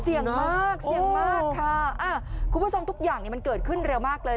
เสี่ยงมากค่ะคุณผู้ชมทุกอย่างมันเกิดขึ้นเร็วมากเลย